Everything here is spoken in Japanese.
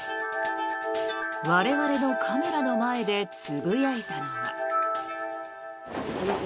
我々のカメラの前でつぶやいたのは。